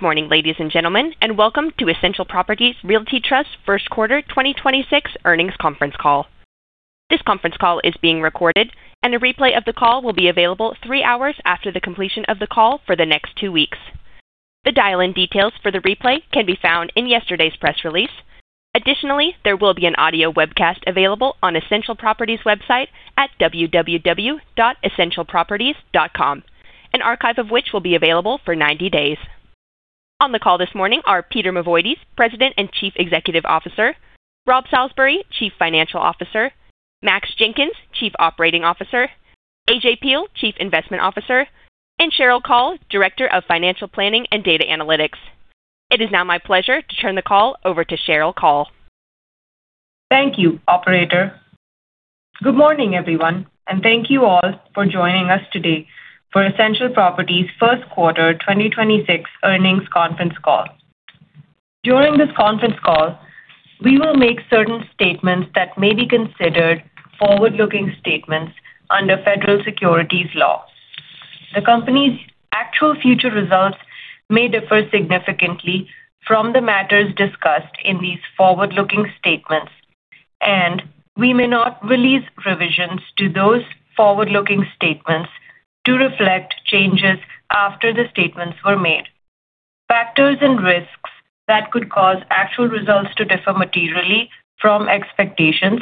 Good morning, ladies and gentlemen, and welcome to the Essential Properties Realty Trust Q1 2026 earnings conference call. This conference call is being recorded, and a replay of the call will be available three hours after the completion of the call for the next two weeks. The dial-in details for the replay can be found in yesterday's press release. Additionally, there will be an audio webcast available on Essential Properties' website at www.essentialproperties.com, an archive of which will be available for 90 days. On the call this morning are Peter Mavoides, President and Chief Executive Officer, Robert Salisbury, Chief Financial Officer, Max Jenkins, Chief Operating Officer, AJ Peil, Chief Investment Officer, and Sheryl Kaul, Director of Financial Planning and Data Analytics. It is now my pleasure to turn the call over to Sheryl Kaul. Thank you, operator. Good morning, everyone, and thank you all for joining us today for Essential Properties' Q1 2026 earnings conference call. During this conference call, we will make certain statements that may be considered forward-looking statements under federal securities law. The company's actual future results may differ significantly from the matters discussed in these forward-looking statements, and we may not release provisions to those forward-looking statements to reflect changes after the statements were made. Factors and risks that could cause actual results to differ materially from expectations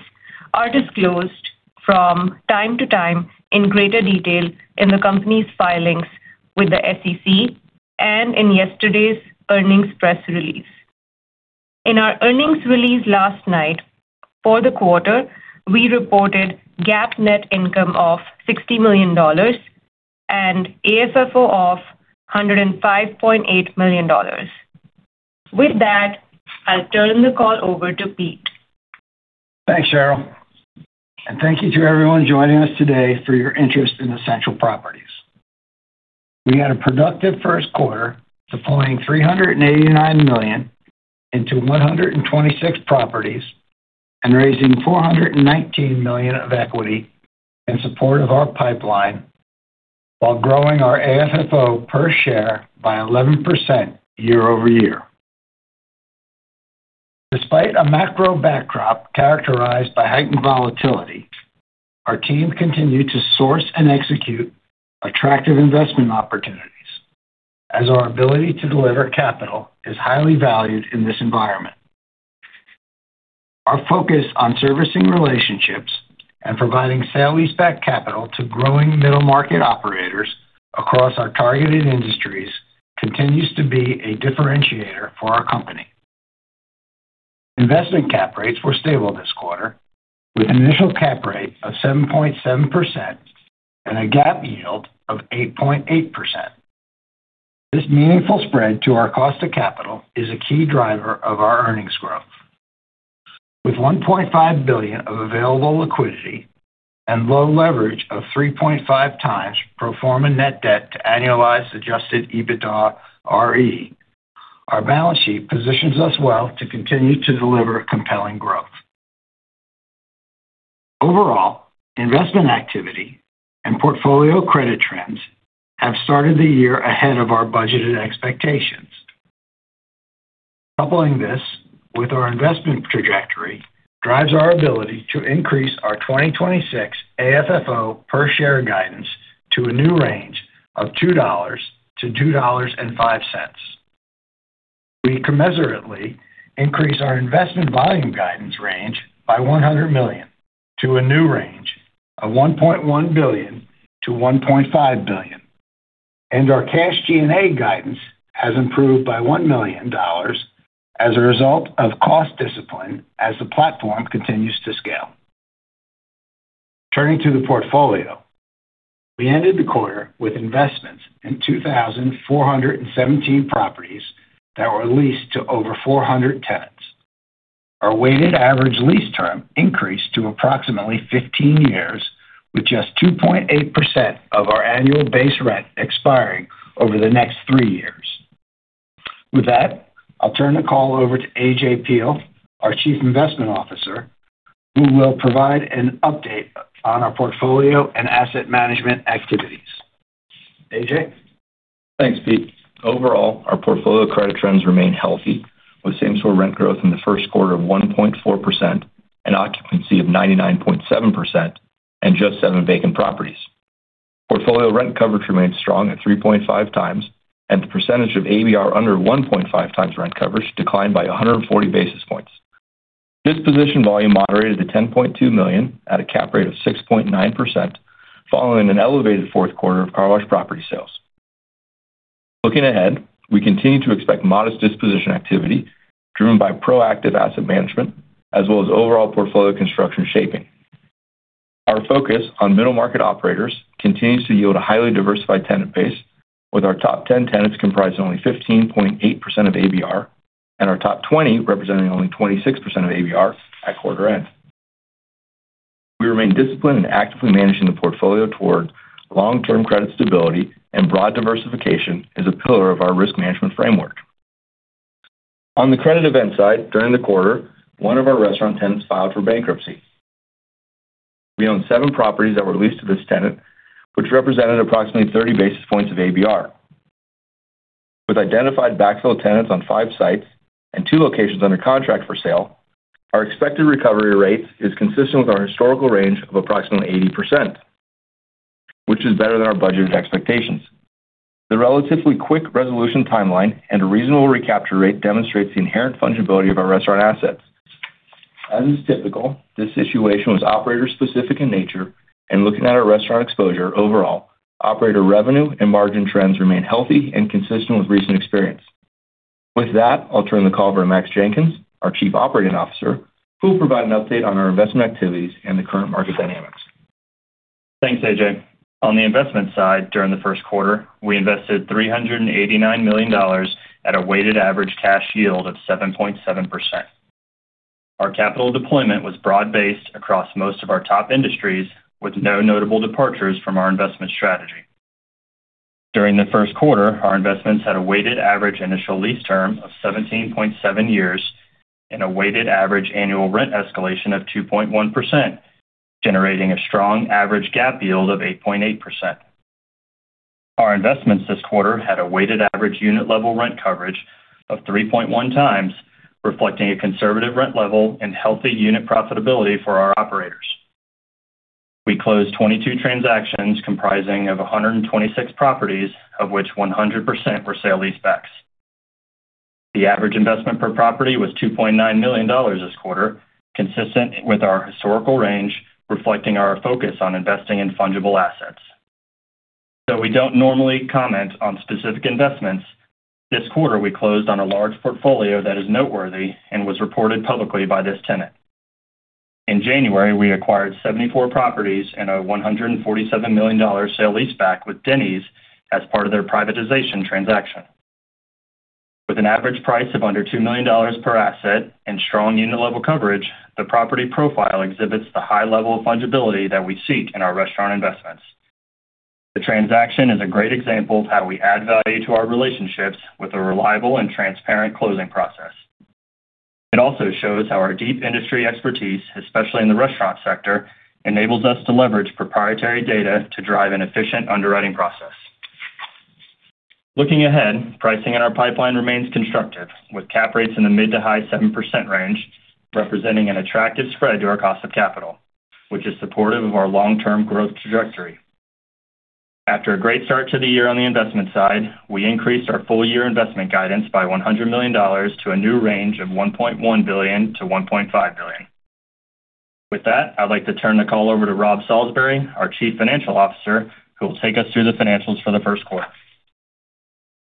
are disclosed from time to time in greater detail in the company's filings with the SEC and in yesterday's earnings press release. In our earnings release last night for the quarter, we reported GAAP net income of $60 million and AFFO of $105.8 million. With that, I'll turn the call over to Pete. Thanks, Sheryl. Thank you to everyone joining us today for your interest in Essential Properties. We had a productive Q1, deploying $389 million into 126 properties and raising $419 million of equity in support of our pipeline, while growing our AFFO per share by 11% year-over-year. Despite a macro backdrop characterized by heightened volatility, our team continued to source and execute attractive investment opportunities, as our ability to deliver capital is highly valued in this environment. Our focus on servicing relationships and providing sale-leaseback capital to growing middle-market operators across our targeted industries continues to be a differentiator for our company. Investment cap rates were stable this quarter with an initial cap rate of 7.7% and a GAAP yield of 8.8%. This meaningful spread to our cost of capital is a key driver of our earnings growth. With $1.5 billion of available liquidity and low leverage of 3.5x pro forma net debt to annualized adjusted EBITDAre, our balance sheet positions us well to continue to deliver compelling growth. Overall, investment activity and portfolio credit trends have started the year ahead of our budgeted expectations. Coupling this with our investment trajectory drives our ability to increase our 2026 AFFO per share guidance to a new range of $2-$2.05. We commensurately increase our investment volume guidance range by $100 million to a new range of $1.1 billion-$1.5 billion, and our cash G&A guidance has improved by $1 million as a result of cost discipline as the platform continues to scale. Turning to the portfolio. We ended the quarter with investments in 2,417 properties that were leased to over 400 tenants. Our weighted average lease term increased to approximately 15 years, with just 2.8% of our annual base rent expiring over the next three years. With that, I'll turn the call over to AJ Peil, our Chief Investment Officer, who will provide an update on our portfolio and asset management activities. AJ? Thanks, Pete. Overall, our portfolio credit trends remain healthy, with same-store rent growth in the Q1 of 1.4% and occupancy of 99.7% and just seven vacant properties. Portfolio rent coverage remains strong at 3.5 times, and the percentage of ABR under 1.5 times rent coverage declined by 140 basis points. Disposition volume moderated to $10.2 million at a cap rate of 6.9%, following an elevated Q4 of car wash property sales. Looking ahead, we continue to expect modest disposition activity driven by proactive asset management as well as overall portfolio construction shaping. Our focus on middle-market operators continues to yield a highly diversified tenant base, with our top 10 tenants comprising only 15.8% of ABR and our top 20 representing only 26% of ABR at quarter end. We remain disciplined in actively managing the portfolio toward long-term credit stability and broad diversification as a pillar of our risk management framework. On the credit event side, during the quarter, one of our restaurant tenants filed for bankruptcy. We own seven properties that were leased to this tenant, which represented approximately 30 basis points of ABR. With identified backfill tenants on five sites and two locations under contract for sale, our expected recovery rate is consistent with our historical range of approximately 80%, which is better than our budgeted expectations. The relatively quick resolution timeline and reasonable recapture rate demonstrates the inherent fungibility of our restaurant assets. As is typical, this situation was operator specific in nature, and looking at our restaurant exposure overall, operator revenue and margin trends remain healthy and consistent with recent experience. With that, I'll turn the call over to Max Jenkins, our Chief Operating Officer, who will provide an update on our investment activities and the current market dynamics. Thanks, AJ. On the investment side, during the Q1, we invested $389 million at a weighted average cash yield of 7.7%. Our capital deployment was broad-based across most of our top industries, with no notable departures from our investment strategy. During the Q1, our investments had a weighted average initial lease term of 17.7 years and a weighted average annual rent escalation of 2.1%, generating a strong average GAAP yield of 8.8%. Our investments this quarter had a weighted average unit level rent coverage of 3.1 times, reflecting a conservative rent level and healthy unit profitability for our operators. We closed 22 transactions comprising of 126 properties, of which 100% were sale leasebacks. The average investment per property was $2.9 million this quarter, consistent with our historical range, reflecting our focus on investing in fungible assets. Though we don't normally comment on specific investments, this quarter we closed on a large portfolio that is noteworthy and was reported publicly by this tenant. In January, we acquired 74 properties in a $147 million sale-leaseback with Denny's as part of their privatization transaction. With an average price of under $2 million per asset and strong unit level coverage, the property profile exhibits the high level of fungibility that we seek in our restaurant investments. The transaction is a great example of how we add value to our relationships with a reliable and transparent closing process. It also shows how our deep industry expertise, especially in the restaurant sector, enables us to leverage proprietary data to drive an efficient underwriting process. Looking ahead, pricing in our pipeline remains constructive, with cap rates in the mid to high 7% range, representing an attractive spread to our cost of capital, which is supportive of our long-term growth trajectory. After a great start to the year on the investment side, we increased our full year investment guidance by $100 million to a new range of $1.1 billion-$1.5 billion. With that, I'd like to turn the call over to Robert Salisbury, our Chief Financial Officer, who will take us through the financials for the Q1.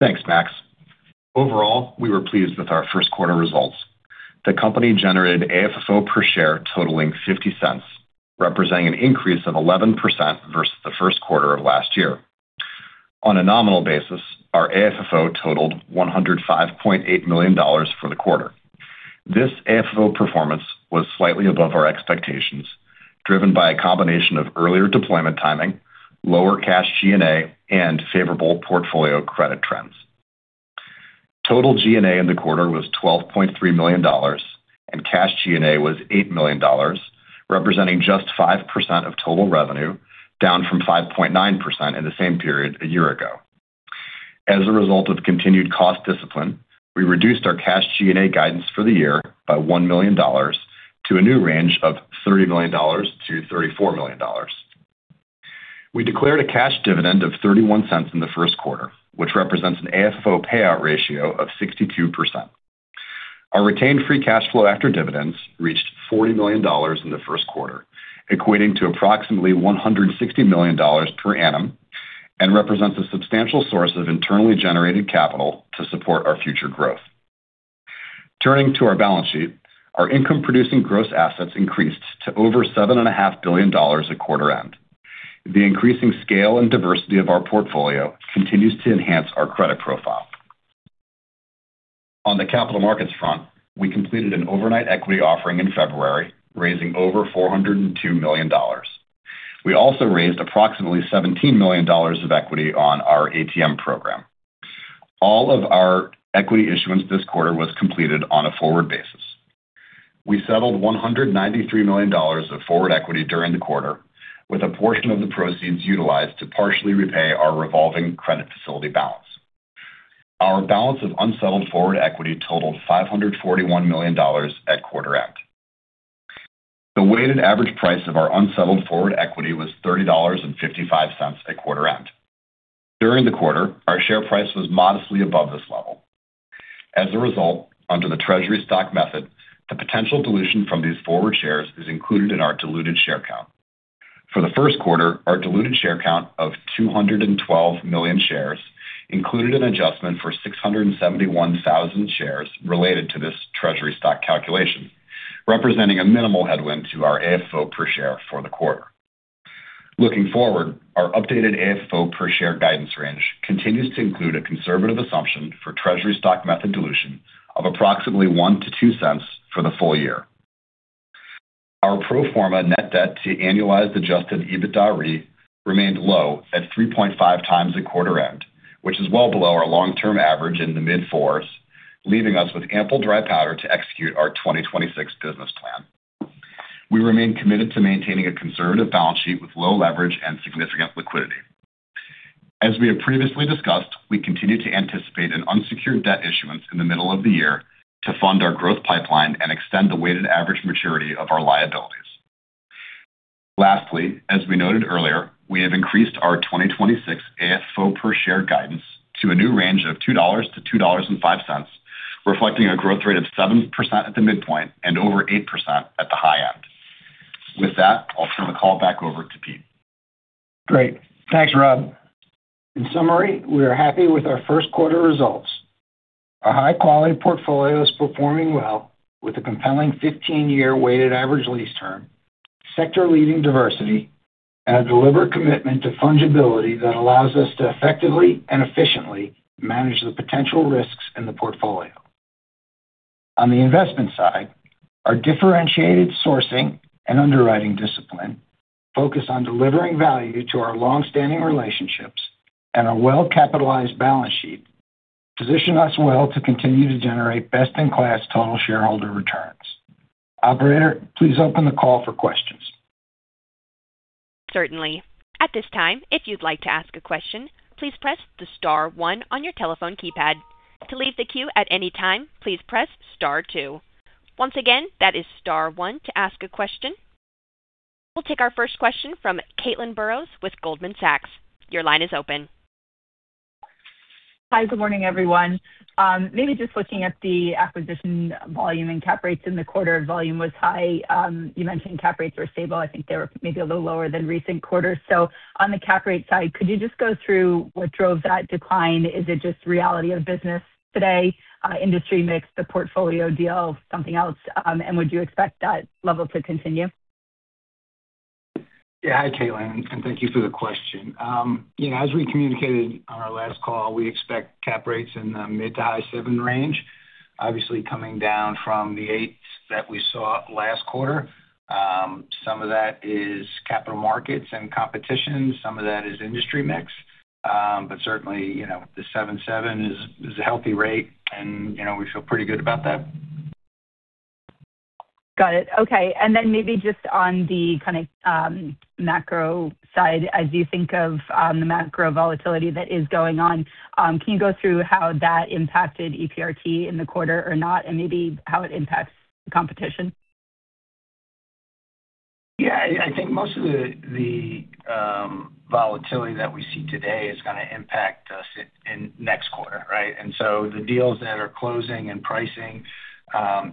Thanks, Max. Overall, we were pleased with our Q1 results. The company generated AFFO per share totaling $0.50, representing an increase of 11% versus the Q1 of last year. On a nominal basis, our AFFO totaled $105.8 million for the quarter. This AFFO performance was slightly above our expectations, driven by a combination of earlier deployment timing, lower cash G&A, and favorable portfolio credit trends. Total G&A in the quarter was $12.3 million, and cash G&A was $8 million, representing just 5% of total revenue, down from 5.9% in the same period a year ago. As a result of continued cost discipline, we reduced our cash G&A guidance for the year by $1 million to a new range of $30 million-$34 million. We declared a cash dividend of $0.31 in the Q1, which represents an AFFO payout ratio of 62%. Our retained free cash flow after dividends reached $40 million in the Q1, equating to approximately $160 million per annum and represents a substantial source of internally generated capital to support our future growth. Turning to our balance sheet, our income-producing gross assets increased to over $7.5 billion at quarter end. The increasing scale and diversity of our portfolio continues to enhance our credit profile. On the capital markets front, we completed an overnight equity offering in February, raising over $402 million. We also raised approximately $17 million of equity on our ATM program. All of our equity issuance this quarter was completed on a forward basis. We settled $193 million of forward equity during the quarter, with a portion of the proceeds utilized to partially repay our revolving credit facility balance. Our balance of unsettled forward equity totaled $541 million at quarter end. The weighted average price of our unsettled forward equity was $30.55 at quarter end. During the quarter, our share price was modestly above this level. As a result, under the treasury stock method, the potential dilution from these forward shares is included in our diluted share count. For the Q1, our diluted share count of 212 million shares included an adjustment for 671,000 shares related to this treasury stock calculation, representing a minimal headwind to our AFFO per share for the quarter. Looking forward, our updated AFFO per share guidance range continues to include a conservative assumption for treasury stock method dilution of approximately $0.01-$0.02 for the full year. Our pro forma net debt to annualized adjusted EBITDAre remained low at 3.5x at quarter end, which is well below our long-term average in the mid-4s. Leaving us with ample dry powder to execute our 2026 business plan. We remain committed to maintaining a conservative balance sheet with low leverage and significant liquidity. As we have previously discussed, we continue to anticipate an unsecured debt issuance in the middle of the year to fund our growth pipeline and extend the weighted average maturity of our liabilities. Lastly, as we noted earlier, we have increased our 2026 AFFO per share guidance to a new range of $2-$2.05, reflecting a growth rate of 7% at the midpoint and over 8% at the high end. With that, I'll turn the call back over to Pete. Great. Thanks, Rob. In summary, we are happy with our Q1 results. Our high-quality portfolio is performing well with a compelling 15-year weighted average lease term, sector-leading diversity, and a deliberate commitment to fungibility that allows us to effectively and efficiently manage the potential risks in the portfolio. On the investment side, our differentiated sourcing and underwriting discipline focus on delivering value to our long-standing relationships, and a well-capitalized balance sheet position us well to continue to generate best-in-class total shareholder returns. Operator, please open the call for questions. Certainly. At this time, if you'd like to ask a question, please press star one on your telephone keypad. To leave the queue at any time, please press star two. Once again, that is star one to ask a question. We'll take our first question from Caitlin Burrows with Goldman Sachs. Your line is open. Hi, good morning, everyone. Maybe just looking at the acquisition volume and cap rates in the quarter. Volume was high. You mentioned cap rates were stable. I think they were maybe a little lower than recent quarters. On the cap rate side, could you just go through what drove that decline? Is it just reality of business today, industry mix, the portfolio deal, something else? Would you expect that level to continue? Yeah. Hi, Caitlin, and thank you for the question. As we communicated on our last call, we expect cap rates in the mid- to high-7% range, obviously coming down from the 8% that we saw last quarter. Some of that is capital markets and competition. Some of that is industry mix. Certainly, the 7.7% is a healthy rate, and we feel pretty good about that. Got it. Okay. Maybe just on the kind of macro side, as you think of the macro volatility that is going on, can you go through how that impacted EPRT in the quarter or not, and maybe how it impacts competition? Yeah. I think most of the volatility that we see today is going to impact us in next quarter, right? The deals that are closing and pricing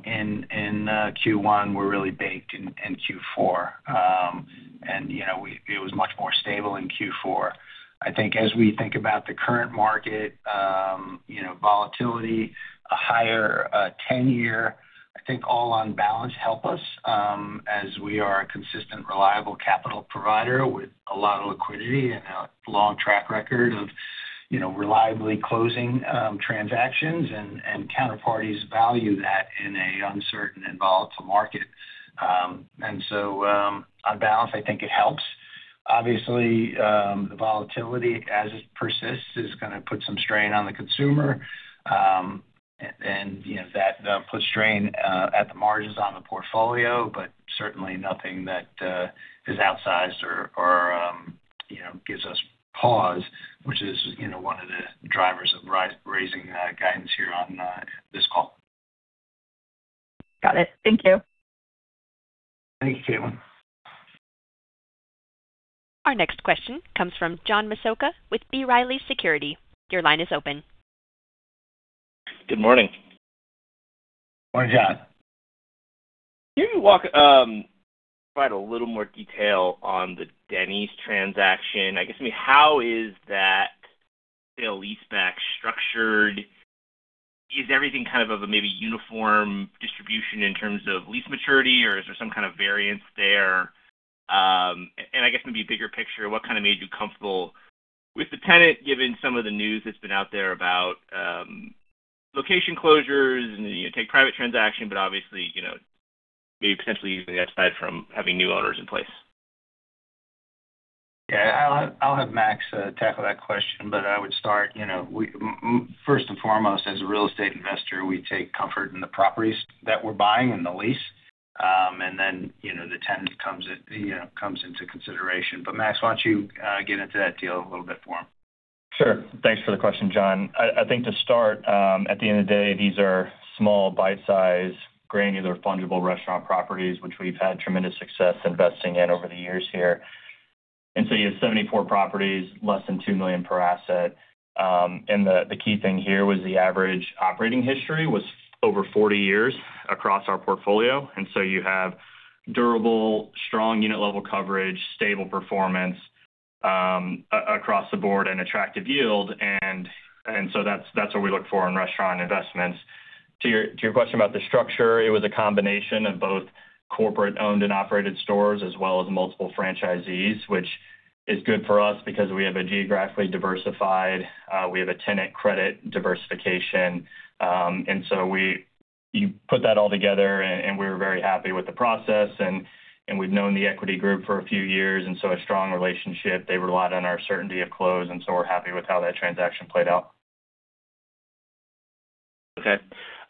in Q1 were really baked in Q4. It was much more stable in Q4. I think as we think about the current market volatility, a higher 10-year, I think all on balance help us as we are a consistent, reliable capital provider with a lot of liquidity and a long track record of reliably closing transactions, and counterparties value that in an uncertain and volatile market. On balance, I think it helps. Obviously, the volatility as it persists is going to put some strain on the consumer. that puts strain at the margins on the portfolio, but certainly nothing that is outsized or gives us pause, which is one of the drivers of raising guidance here on this call. Got it. Thank you. Thank you, Caitlin. Our next question comes from John Massocca with B. Riley Securities. Your line is open. Good morning. Morning, John. Can you provide a little more detail on the Denny's transaction? I guess, maybe how is that sale-leaseback structured? Is everything kind of a maybe uniform distribution in terms of lease maturity, or is there some kind of variance there? I guess maybe bigger picture, what kind of made you comfortable with the tenant, given some of the news that's been out there about location closures and take-private transaction, but obviously, maybe potentially usually that's tied to having new owners in place. Yeah. I'll have Max tackle that question, but I would start, first and foremost, as a real estate investor, we take comfort in the properties that we're buying and the lease, and then the tenant comes into consideration. Max, why don't you get into that deal a little bit for him? Sure. Thanks for the question, John. I think to start, at the end of the day, these are small bite-size, granular, fungible restaurant properties, which we've had tremendous success investing in over the years here. You have 74 properties, less than $2 million per asset. The key thing here was the average operating history was over 40 years across our portfolio. You have durable, strong unit level coverage, stable performance across the board, and attractive yield. That's what we look for in restaurant investments. To your question about the structure, it was a combination of both corporate owned and operated stores as well as multiple franchisees, which is good for us because we have a tenant credit diversification. We put that all together, and we were very happy with the process, and we've known the equity group for a few years, and so a strong relationship. They relied on our certainty of close, and so we're happy with how that transaction played out. Okay.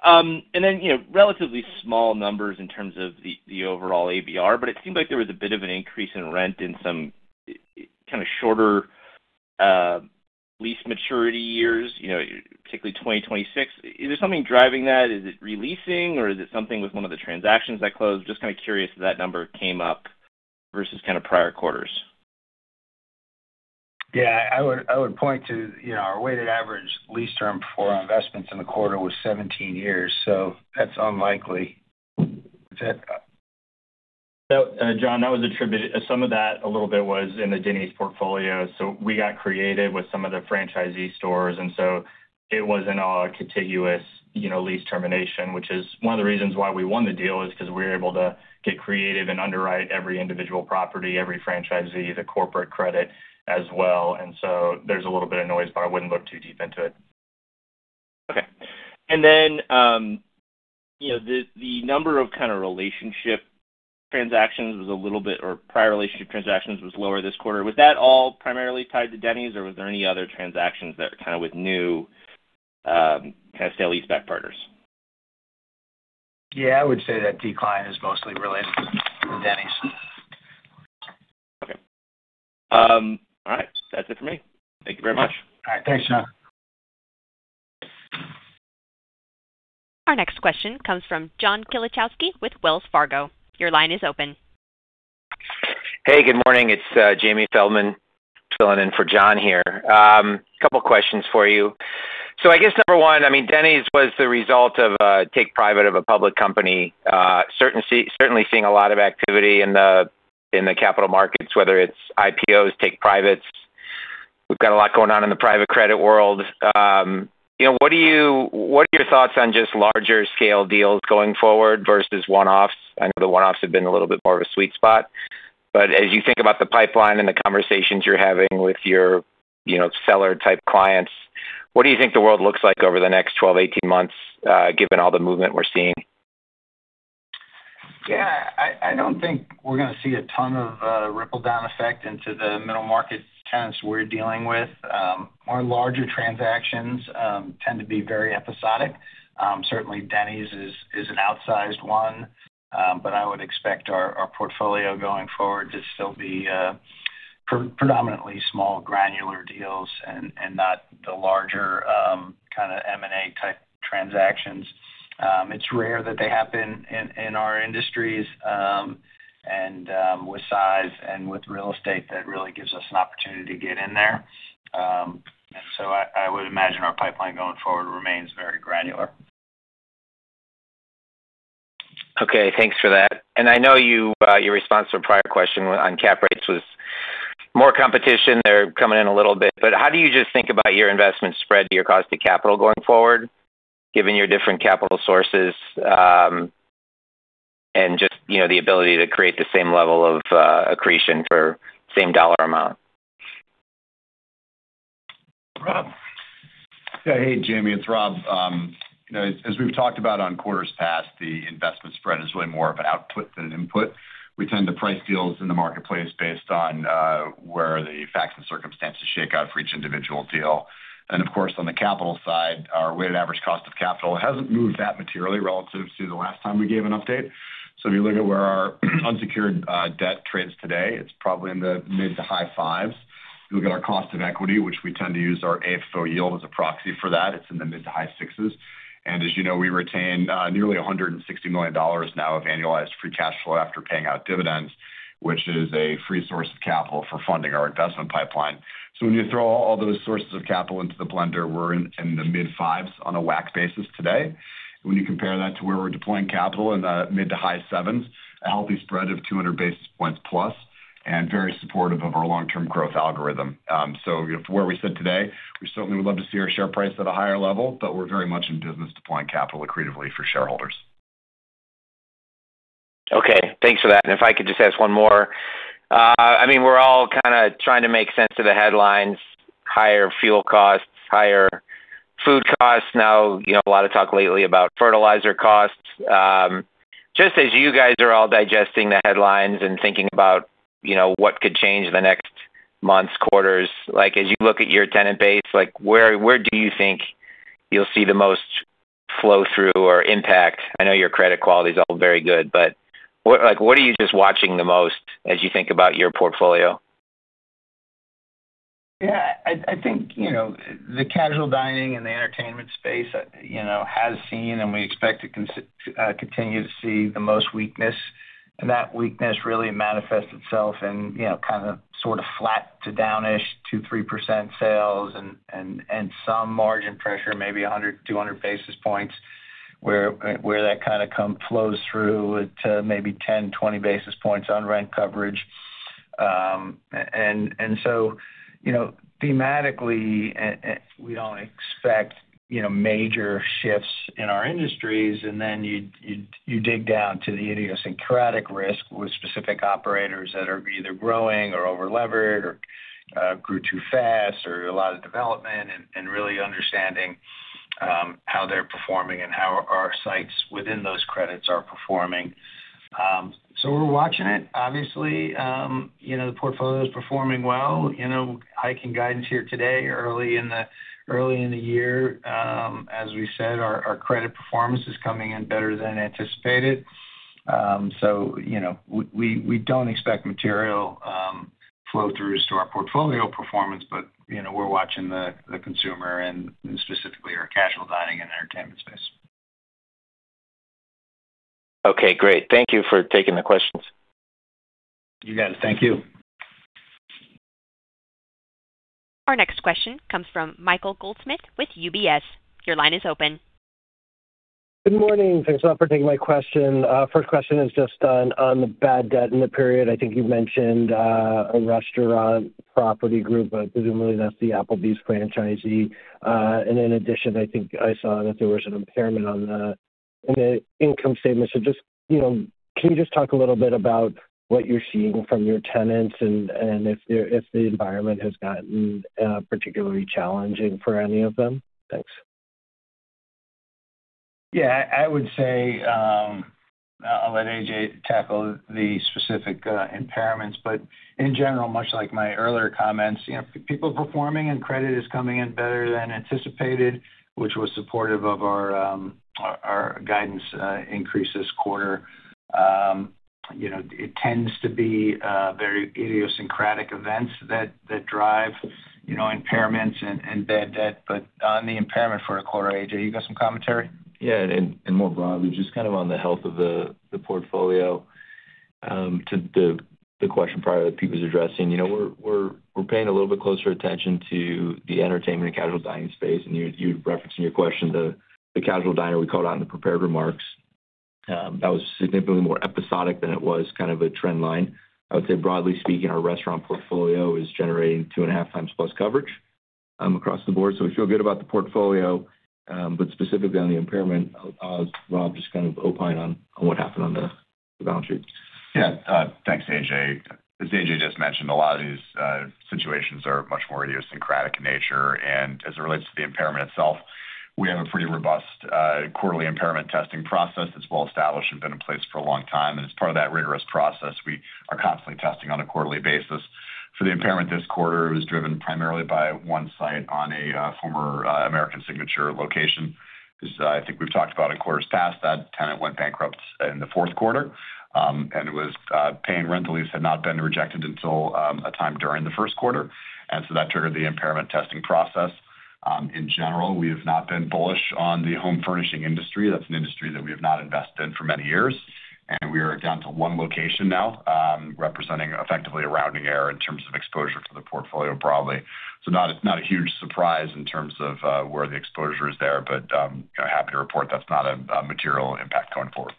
Relatively small numbers in terms of the overall ABR, but it seemed like there was a bit of an increase in rent in some kind of shorter lease maturity years, particularly 2026. Is there something driving that? Is it re-leasing, or is it something with one of the transactions that closed? Just kind of curious that number came up versus kind of prior quarters. Yeah. I would point to our weighted average lease term for our investments in the quarter was 17 years, so that's unlikely. John, some of that, a little bit, was in the Denny's portfolio. We got creative with some of the franchisee stores, and so it wasn't all a contiguous lease termination, which is one of the reasons why we won the deal is because we were able to get creative and underwrite every individual property, every franchisee, the corporate credit as well. There's a little bit of noise, but I wouldn't look too deep into it. Okay. The number of prior relationship transactions was a little bit lower this quarter. Was that all primarily tied to Denny's, or was there any other transactions that are kind of with new kind of sale-leaseback partners? Yeah, I would say that decline is mostly related to Denny's. Okay. All right. That's it for me. Thank you very much. All right. Thanks, John. Our next question comes from Jon Kilichowski with Wells Fargo. Your line is open. Hey, good morning. It's James Feldman filling in for John here. Couple questions for you. I guess number one, Denny's was the result of a take private of a public company. Certainly seeing a lot of activity in the capital markets, whether it's IPOs, take privates. We've got a lot going on in the private credit world. What are your thoughts on just larger scale deals going forward versus one-offs? I know the one-offs have been a little bit more of a sweet spot. As you think about the pipeline and the conversations you're having with your seller-type clients, what do you think the world looks like over the next 12, 18 months, given all the movement we're seeing? Yeah. I don't think we're gonna see a ton of ripple down effect into the middle market tenants we're dealing with. Our larger transactions tend to be very episodic. Certainly, Denny's is an outsized one, but I would expect our portfolio going forward to still be predominantly small, granular deals and not the larger kind of M&A-type transactions. It's rare that they happen in our industries, and with size and with real estate, that really gives us an opportunity to get in there. I would imagine our pipeline going forward remains very granular. Okay. Thanks for that. I know your response to a prior question on cap rates was more competition. They're coming in a little bit. How do you just think about your investment spread to your cost of capital going forward, given your different capital sources, and just the ability to create the same level of accretion for same dollar amount? Rob. Hey, James, it's Rob. As we've talked about in quarters past, the investment spread is really more of an output than an input. We tend to price deals in the marketplace based on where the facts and circumstances shake out for each individual deal. Of course, on the capital side, our weighted average cost of capital hasn't moved that materially relative to the last time we gave an update. If you look at where our unsecured debt trades today, it's probably in the mid- to high 5s. You look at our cost of equity, which we tend to use our AFFO yield as a proxy for that. It's in the mid- to high 6s. As you know, we retain nearly $160 million now of annualized free cash flow after paying out dividends, which is a free source of capital for funding our investment pipeline. When you throw all those sources of capital into the blender, we're in the mid-5s on a WAC basis today. When you compare that to where we're deploying capital in the mid- to high-7s, a healthy spread of 200 basis points plus, and very supportive of our long-term growth algorithm. From where we sit today, we certainly would love to see our share price at a higher level, but we're very much in business deploying capital accretively for shareholders. Okay. Thanks for that. If I could just ask one more. We're all kind of trying to make sense of the headlines, higher fuel costs, higher food costs. Now, a lot of talk lately about fertilizer costs. Just as you guys are all digesting the headlines and thinking about what could change the next month's quarters. As you look at your tenant base, where do you think you'll see the most flow-through or impact? I know your credit quality is all very good, but what are you just watching the most as you think about your portfolio? Yeah. I think the casual dining and the entertainment space has seen, and we expect to continue to see the most weakness. That weakness really manifests itself in kind of sort of flat to down-ish 2%-3% sales and some margin pressure, maybe 100-200 basis points, where that kind of flows through to maybe 10-20 basis points on rent coverage. Thematically, we don't expect major shifts in our industries, and then you dig down to the idiosyncratic risk with specific operators that are either growing or over-levered or grew too fast or a lot of development, and really understanding how they're performing and how our sites within those credits are performing. We're watching it. Obviously, the portfolio is performing well. We are hiking guidance here today, early in the year. As we said, our credit performance is coming in better than anticipated. We don't expect material flow-throughs to our portfolio performance, but we're watching the consumer and specifically our casual dining and entertainment space. Okay, great. Thank you for taking the questions. You got it. Thank you. Our next question comes from Michael Goldsmith with UBS. Your line is open. Good morning. Thanks a lot for taking my question. First question is just on the bad debt in the period. I think you've mentioned a restaurant property group, but presumably that's the Applebee's franchisee. In addition, I think I saw that there was an impairment on the income statement. Can you just talk a little bit about what you're seeing from your tenants and if the environment has gotten particularly challenging for any of them? Thanks. Yeah, I would say, I'll let AJ tackle the specific impairments, but in general, much like my earlier comments, people are performing and credit is coming in better than anticipated, which was supportive of our guidance increase this quarter. It tends to be very idiosyncratic events that drive impairments and bad debt. On the impairment for the quarter, AJ, you got some commentary? Yeah. More broadly, just kind of on the health of the portfolio, to the question prior that Pete was addressing, we're paying a little bit closer attention to the entertainment and casual dining space, and you referenced in your question the casual diner we called out in the prepared remarks. That was significantly more episodic than it was kind of a trend line. I would say broadly speaking, our restaurant portfolio is generating 2.5 times plus coverage across the board. We feel good about the portfolio. Specifically on the impairment, I'll have Rob just kind of opine on what happened on the balance sheet. Yeah. Thanks, AJ. As AJ just mentioned, a lot of these situations are much more idiosyncratic in nature. As it relates to the impairment itself, we have a pretty robust quarterly impairment testing process that's well established and been in place for a long time. As part of that rigorous process, we are constantly testing on a quarterly basis. For the impairment this quarter, it was driven primarily by one site on a former American Signature location. As I think we've talked about in quarters past, that tenant went bankrupt in the Q4, and it was paying rent. Leases had not been rejected until a time during the Q1. That triggered the impairment testing process. In general, we have not been bullish on the home furnishing industry. That's an industry that we have not invested in for many years, and we are down to one location now, representing effectively a rounding error in terms of exposure to the portfolio broadly. Not a huge surprise in terms of where the exposure is there, but I'm happy to report that's not a material impact going forward.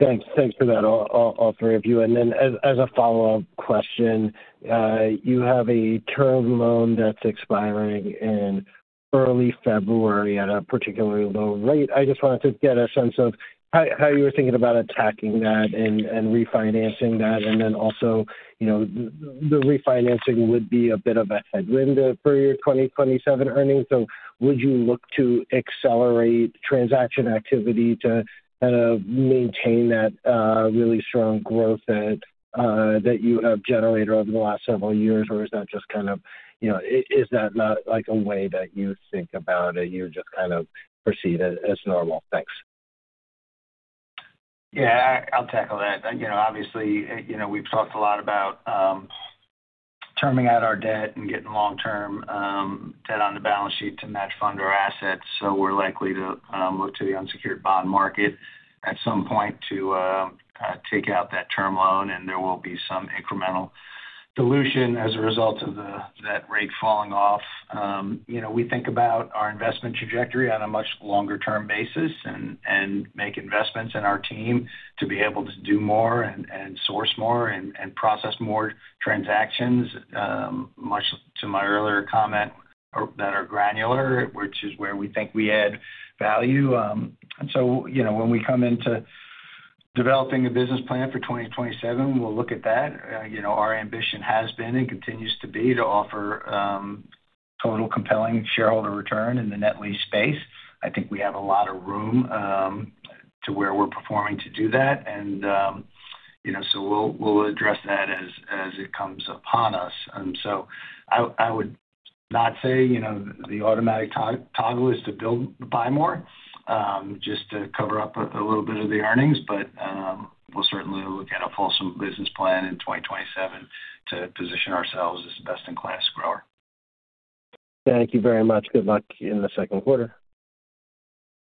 Thanks for that, all three of you. As a follow-up question, you have a term loan that's expiring in early February at a particularly low rate. I just wanted to get a sense of how you were thinking about attacking that and refinancing that. The refinancing would be a bit of a headwind for your 2027 earnings. Would you look to accelerate transaction activity to kind of maintain that really strong growth that you have generated over the last several years? Or is that not like a way that you think about it, you just kind of proceed as normal? Thanks. Yeah, I'll tackle that. Obviously, we've talked a lot about terming out our debt and getting long-term debt on the balance sheet to match fund our assets. We're likely to look to the unsecured bond market at some point to take out that term loan, and there will be some incremental dilution as a result of that rate falling off. We think about our investment trajectory on a much longer-term basis and make investments in our team to be able to do more and source more and process more transactions, much to my earlier comment, that are granular, which is where we think we add value. When we come into developing a business plan for 2027, we'll look at that. Our ambition has been and continues to be to offer total compelling shareholder return in the net lease space. I think we have a lot of room to where we're performing to do that. We'll address that as it comes upon us. I would not say the automatic toggle is to build, buy more, just to cover up a little bit of the earnings. We'll certainly look at a fulsome business plan in 2027 to position ourselves as a best-in-class grower. Thank you very much. Good luck in the Q2.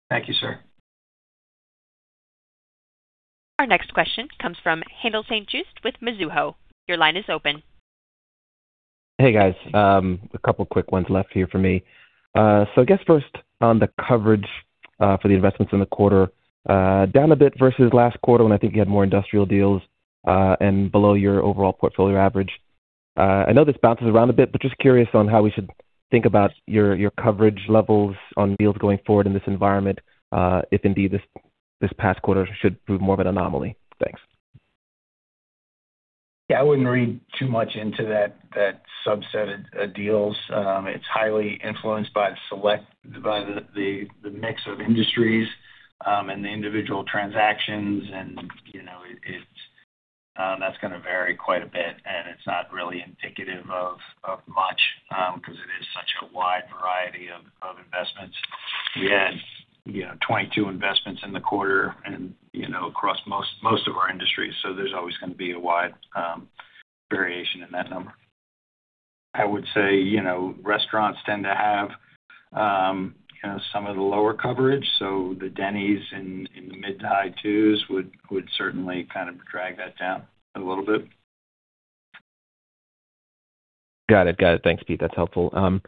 Thank you, sir. Our next question comes from Haendel St. Juste with Mizuho. Your line is open. Hey, guys. A couple of quick ones left here for me. I guess first on the coverage for the investments in the quarter. Down a bit versus last quarter when I think you had more industrial deals, and below your overall portfolio average. I know this bounces around a bit, but just curious on how we should think about your coverage levels on deals going forward in this environment, if indeed this past quarter should prove more of an anomaly. Thanks. Yeah, I wouldn't read too much into that subset of deals. It's highly influenced by the mix of industries and the individual transactions, and that's going to vary quite a bit, and it's not really indicative of much because it is such a wide variety of investments. We had 22 investments in the quarter and across most of our industries. So there's always going to be a wide variation in that number. I would say, restaurants tend to have some of the lower coverage. So the Denny's in the mid- to high 2s would certainly kind of drag that down a little bit. Got it. Thanks, Pete. That's helpful.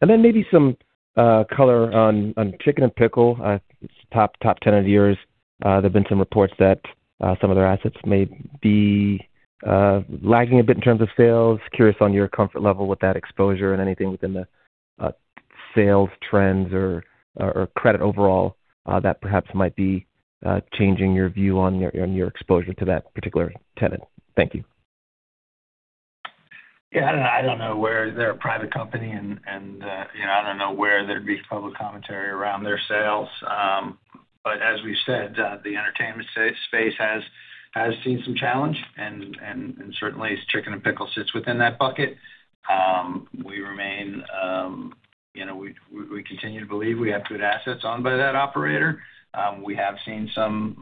Maybe some color on Chicken N Pickle, it's top 10 of yours. There have been some reports that some of their assets may be lagging a bit in terms of sales. Curious on your comfort level with that exposure and anything within the sales trends or credit overall, that perhaps might be changing your view on your exposure to that particular tenant. Thank you. Yeah, I don't know where they're a private company and I don't know where there'd be public commentary around their sales. As we've said, the entertainment space has seen some challenge and certainly Chicken N'Pickle sits within that bucket. We continue to believe we have good assets owned by that operator. We have seen some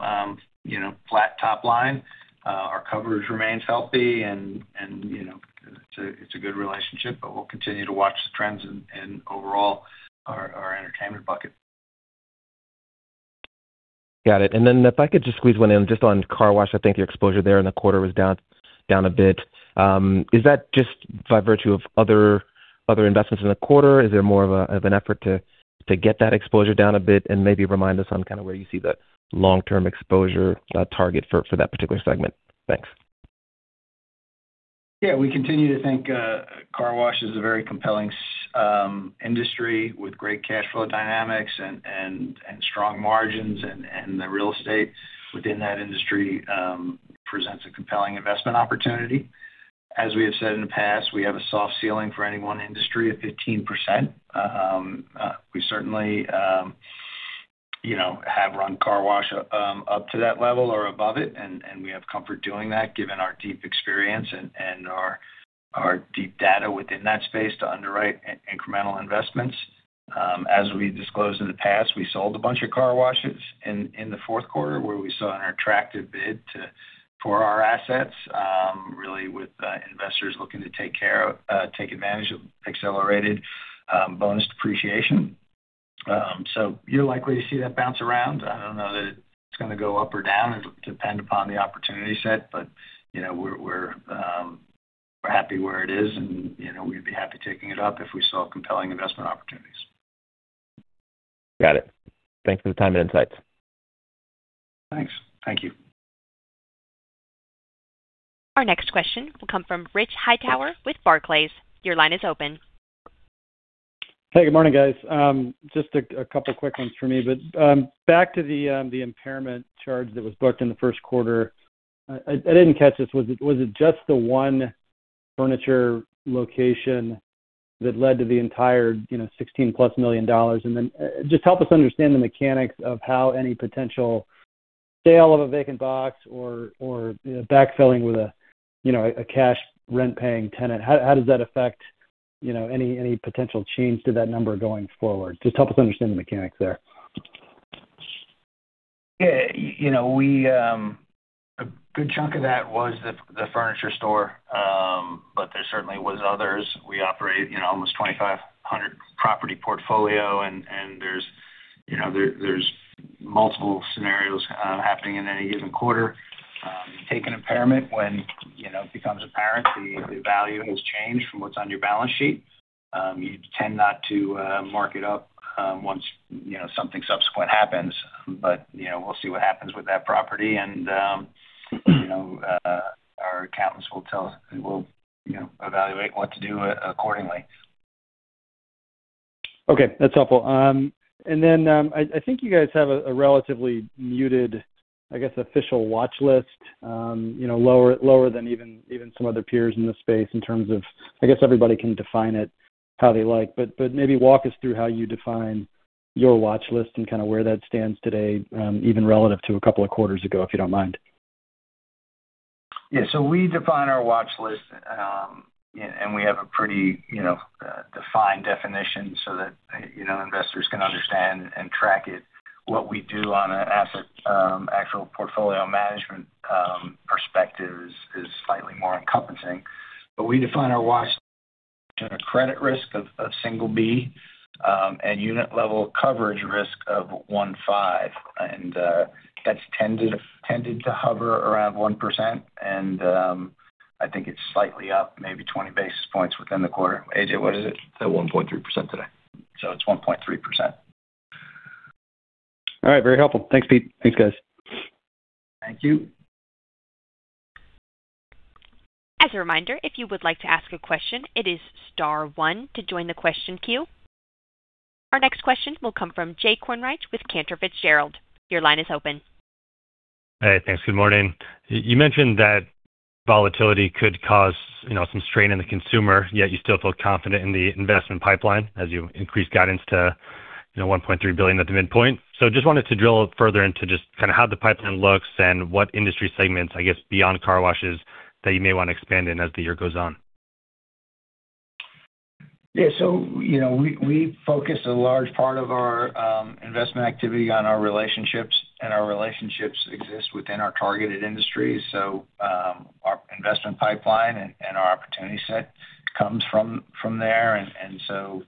flat top line. Our coverage remains healthy and it's a good relationship, but we'll continue to watch the trends and overall our entertainment bucket. Got it. If I could just squeeze one in just on car wash. I think your exposure there in the quarter was down a bit. Is that just by virtue of other investments in the quarter? Is there more of an effort to get that exposure down a bit? Maybe remind us on kind of where you see the long-term exposure target for that particular segment. Thanks. Yeah, we continue to think car wash is a very compelling industry with great cash flow dynamics and strong margins, and the real estate within that industry presents a compelling investment opportunity. As we have said in the past, we have a soft ceiling for any one industry of 15%. We certainly have run car wash up to that level or above it, and we have comfort doing that given our deep experience and our deep data within that space to underwrite incremental investments. As we disclosed in the past, we sold a bunch of car washes in the Q4, where we saw an attractive bid for our assets, really with investors looking to take advantage of accelerated bonus depreciation. You're likely to see that bounce around. I don't know that it's going to go up or down. It'll depend upon the opportunity set, but we're happy where it is, and we'd be happy taking it up if we saw compelling investment opportunities. Got it. Thanks for the time and insights. Thanks. Thank you. Our next question will come from Richard Hightower with Barclays. Your line is open. Hey, good morning, guys. Just a couple quick ones for me, but back to the impairment charge that was booked in the Q1. I didn't catch this. Was it just the one furniture location that led to the entire $16+ million? And then just help us understand the mechanics of how any potential sale of a vacant box or backfilling with a cash rent-paying tenant, how does that affect any potential change to that number going forward? Just help us understand the mechanics there. Yeah. A good chunk of that was the furniture store, but there certainly was others. We operate almost 2,500 property portfolio, and there's multiple scenarios happening in any given quarter. You take an impairment when it becomes apparent the value has changed from what's on your balance sheet. You tend not to mark it up once something subsequent happens. But we'll see what happens with that property, and our accountants will tell us. We'll evaluate what to do accordingly. Okay, that's helpful. Then, I think you guys have a relatively muted, I guess, official watch list, lower than even some other peers in the space in terms of, I guess everybody can define it how they like, but maybe walk us through how you define your watch list and kind of where that stands today, even relative to a couple of quarters ago, if you don't mind. Yeah. We define our watch list, and we have a pretty defined definition so that investors can understand and track it. What we do on an asset actual portfolio management perspective is slightly more encompassing. We define our watch to a credit risk of single B, and unit level coverage risk of 1.5, and that's tended to hover around 1%, and I think it's slightly up, maybe 20 basis points within the quarter. AJ, what is it? It's at 1.3% today. it's 1.3%. All right. Very helpful. Thanks, Pete. Thanks, guys. Thank you. As a reminder, if you would like to ask a question, it is star one to join the question queue. Our next question will come from Jay Kornreich with Cantor Fitzgerald. Your line is open. Hey, thanks. Good morning. You mentioned that volatility could cause some strain in the consumer, yet you still feel confident in the investment pipeline as you increase guidance to $1.3 billion at the midpoint. Just wanted to drill further into just kind of how the pipeline looks and what industry segments, I guess, beyond car washes that you may want to expand in as the year goes on. We focus a large part of our investment activity on our relationships, and our relationships exist within our targeted industries. Our investment pipeline and our opportunity set comes from there.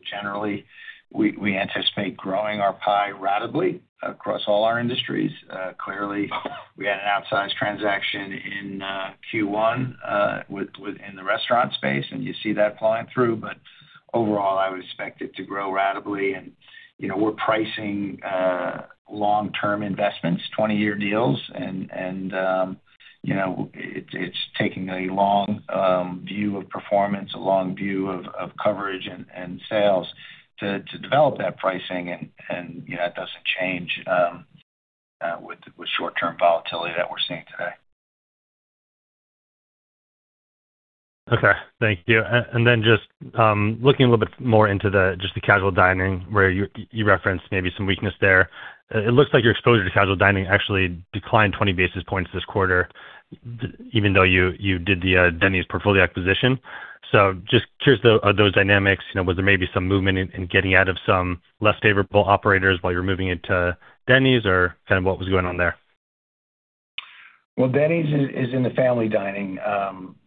Generally, we anticipate growing our pie ratably across all our industries. Clearly, we had an outsized transaction in Q1 within the restaurant space, and you see that flowing through. Overall, I would expect it to grow ratably. We're pricing long-term investments, 20-year deals, and it's taking a long view of performance, a long view of coverage and sales to develop that pricing, and that doesn't change with short-term volatility that we're seeing today. Okay. Thank you. Just looking a little bit more into just the casual dining where you referenced maybe some weakness there. It looks like your exposure to casual dining actually declined 20 basis points this quarter, even though you did the Denny's portfolio acquisition. Just curious, are those dynamics, was there maybe some movement in getting out of some less favorable operators while you were moving into Denny's, or kind of what was going on there? Well, Denny's is in the family dining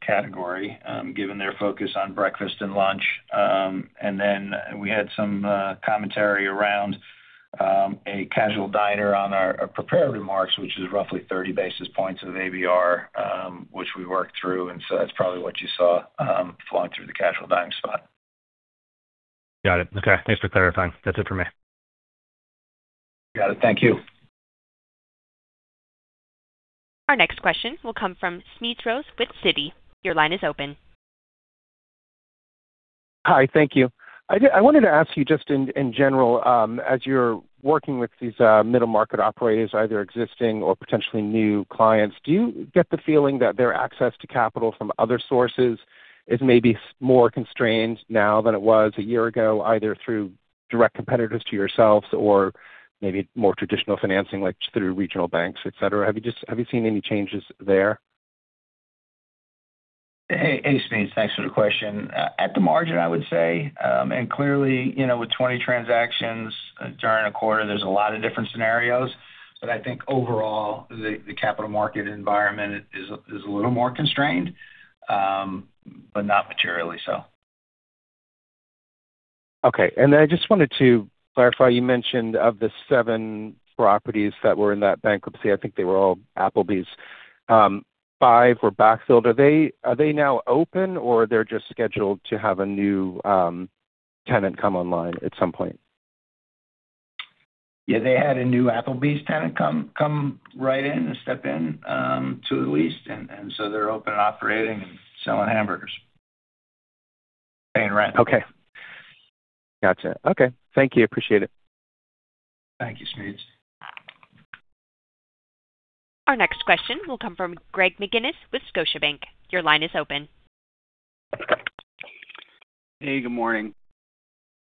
category, given their focus on breakfast and lunch. Then we had some commentary around a casual diner on our prepared remarks, which is roughly 30 basis points of ABR, which we worked through. That's probably what you saw flowing through the casual dining spot. Got it. Okay. Thanks for clarifying. That's it for me. Got it. Thank you. Our next question will come from Smedes Rose with Citi. Your line is open. Hi. Thank you. I wanted to ask you just in general, as you're working with these middle-market operators, either existing or potentially new clients, do you get the feeling that their access to capital from other sources is maybe more constrained now than it was a year ago, either through direct competitors to yourselves or maybe more traditional financing, like through regional banks, et cetera? Have you seen any changes there? Hey, Smedes. Thanks for the question. At the margin, I would say, and clearly, with 20 transactions during a quarter, there's a lot of different scenarios, but I think overall, the capital market environment is a little more constrained, but not materially so. Okay. I just wanted to clarify, you mentioned of the 7 properties that were in that bankruptcy, I think they were all Applebee's. 5 were backfilled. Are they now open or they're just scheduled to have a new tenant come online at some point? Yeah, they had a new Applebee's tenant come right in and step in to the lease, and so they're open and operating and selling hamburgers. Paying rent. Okay. Gotcha. Okay. Thank you. Appreciate it. Thank you, Smedes. Our next question will come from Greg McGinniss with Scotiabank. Your line is open. Hey, good morning.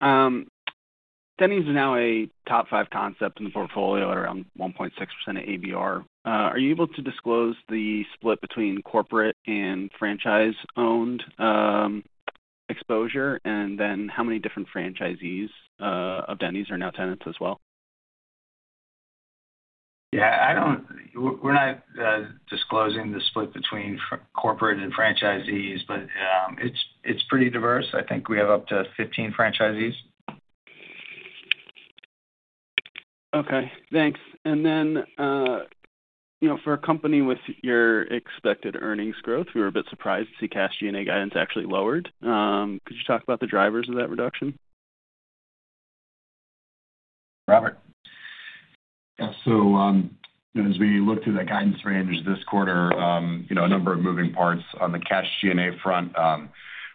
Denny's is now a top five concept in the portfolio at around 1.6% of ABR. Are you able to disclose the split between corporate and franchise-owned exposure? How many different franchisees of Denny's are now tenants as well? Yeah, we're not disclosing the split between corporate and franchisees, but it's pretty diverse. I think we have up to 15 franchisees. Okay, thanks. For a company with your expected earnings growth, we were a bit surprised to see cash G&A guidance actually lowered. Could you talk about the drivers of that reduction? Robert. Yeah. As we look through the guidance range this quarter, a number of moving parts. On the cash G&A front,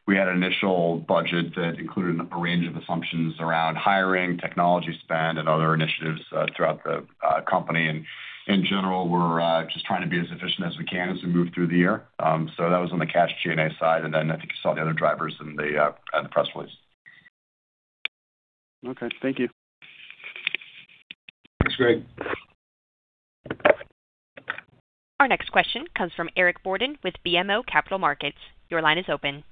we had an initial budget that included a range of assumptions around hiring, technology spend, and other initiatives throughout the company. In general, we're just trying to be as efficient as we can as we move through the year. That was on the cash G&A side. Then I think you saw the other drivers in the press release. Okay. Thank you. Thanks, Greg. Our next question comes from Eric Borden with BMO Capital Markets. Your line is open.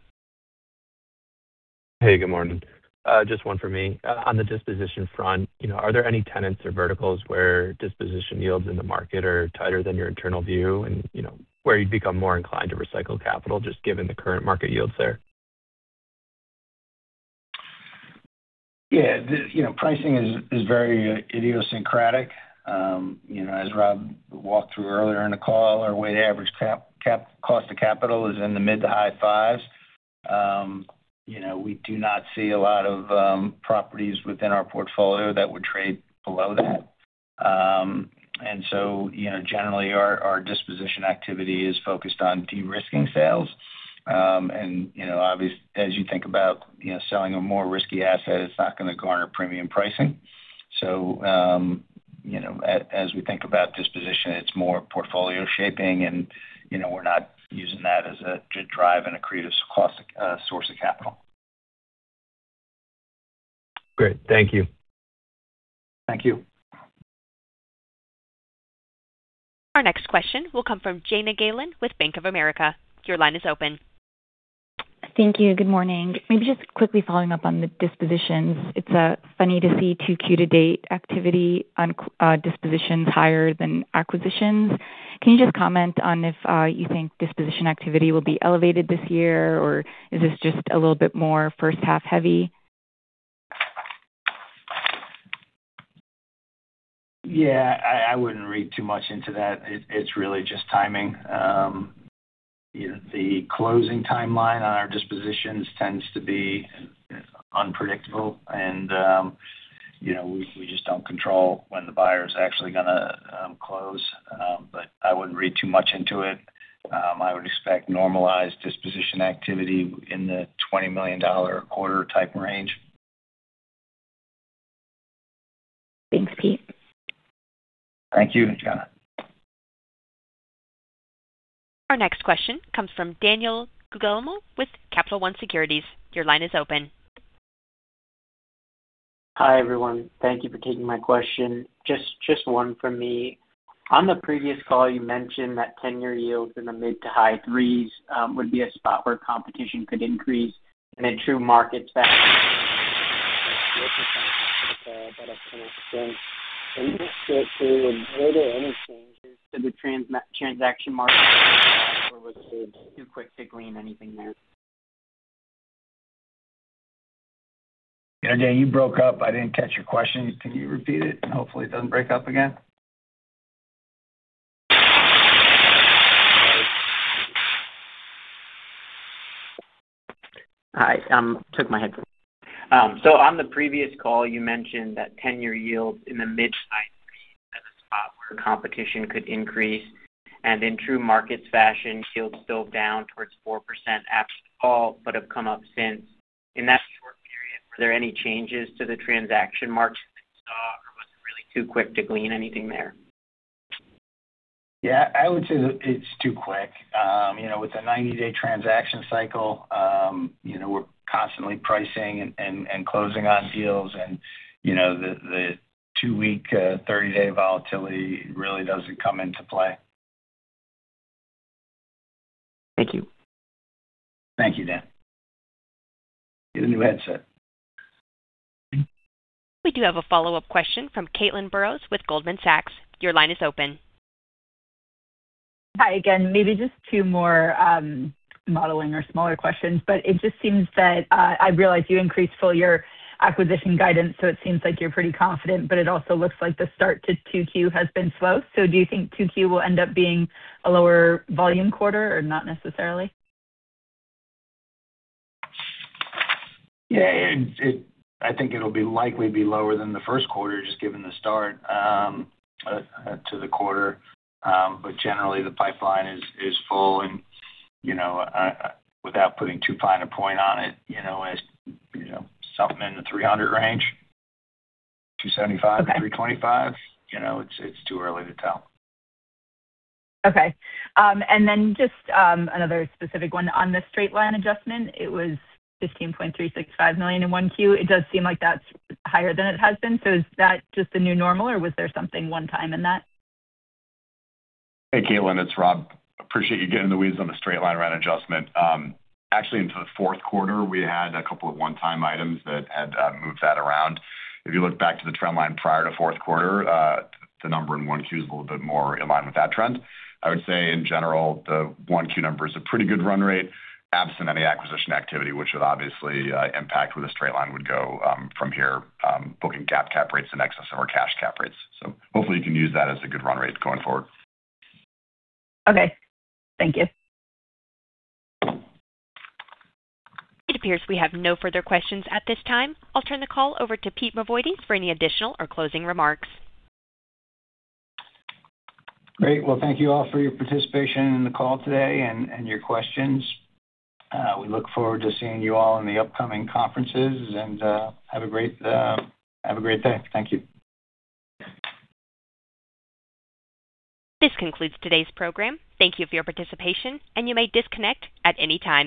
Hey, good morning. Just one for me. On the disposition front, are there any tenants or verticals where disposition yields in the market are tighter than your internal view and where you'd become more inclined to recycle capital just given the current market yields there? Yeah. Pricing is very idiosyncratic. As Rob walked through earlier in the call, our weighted average cost of capital is in the mid- to high 5s. We do not see a lot of properties within our portfolio that would trade below that. Generally, our disposition activity is focused on de-risking sales. Obviously, as you think about selling a more risky asset, it's not going to garner premium pricing. As we think about disposition, it's more portfolio shaping, and we're not using that to drive an accretive source of capital. Great. Thank you. Thank you. Our next question will come from Jana Galan with Bank of America. Your line is open. Thank you. Good morning. Maybe just quickly following up on the dispositions. It's funny to see 2Q to date activity on dispositions higher than acquisitions. Can you just comment on if you think disposition activity will be elevated this year, or is this just a little bit more first half heavy? Yeah. I wouldn't read too much into that. It's really just timing. The closing timeline on our dispositions tends to be unpredictable, and we just don't control when the buyer's actually going to close. I wouldn't read too much into it. I would expect normalized disposition activity in the $20 million a quarter type range. Thanks, Pete. Thank you, Jana. Our next question comes from Daniel Guglielmo with Capital One Securities. Your line is open. Hi, everyone. Thank you for taking my question. Just one from me. On the previous call, you mentioned that 10-year yields in the mid- to high 3s would be a spot where competition could increase, and in true market fashion, were there any changes to the transaction market or was it too quick to glean anything there? Daniel, you broke up. I didn't catch your question. Can you repeat it? Hopefully it doesn't break up again. Hi, took my headphones. On the previous call, you mentioned that 10-year yields in the mid-to-high 3s was a spot where competition could increase. In true markets fashion, yields dove down towards 4% after the call, but have come up since. In that short period, were there any changes to the transaction market that you saw, or was it really too quick to glean anything there? Yeah, I would say it's too quick. With a 90-day transaction cycle, we're constantly pricing and closing on deals and the 2-week, 30-day volatility really doesn't come into play. Thank you. Thank you, Dan. Get a new headset. We do have a follow-up question from Caitlin Burrows with Goldman Sachs. Your line is open. Hi again. Maybe just two more modeling or smaller questions, but it just seems that, I realize you increased full-year acquisition guidance, so it seems like you're pretty confident, but it also looks like the start to 2Q has been slow. Do you think 2Q will end up being a lower volume quarter or not necessarily? Yeah. I think it'll be likely lower than the Q1, just given the start to the quarter. Generally, the pipeline is full and without putting too fine a point on it, something in the 300 range, 275-325. It's too early to tell. Okay. Just another specific one. On the straight line adjustment, it was $15.365 million in 1Q. It does seem like that's higher than it has been. Is that just the new normal or was there something one-time in that? Hey, Caitlin, it's Rob. Appreciate you getting into the weeds on the straight-line rent adjustment. Actually, in the Q4, we had a couple of one-time items that had moved that around. If you look back to the trend line prior to Q4, the number in 1Q is a little bit more in line with that trend. I would say, in general, the 1Q number is a pretty good run rate, absent any acquisition activity, which would obviously impact where the straight-line would go from here, booking cap rates in excess of our cash cap rates. Hopefully you can use that as a good run rate going forward. Okay. Thank you. It appears we have no further questions at this time. I'll turn the call over to Pete Mavoides for any additional or closing remarks. Great. Well, thank you all for your participation in the call today and your questions. We look forward to seeing you all in the upcoming conferences, and have a great day. Thank you. This concludes today's program. Thank you for your participation, and you may disconnect at any time.